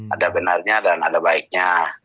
ada benarnya dan ada baiknya